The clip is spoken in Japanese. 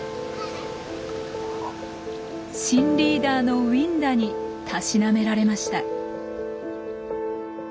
新リーダーのウィンダにたしなめられました。